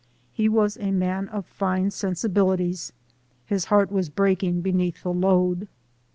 He was a man of fine sensibilities ; his heart was breaking beneath the load.